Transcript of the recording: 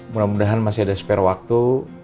mudah mudahan masih ada spare waktu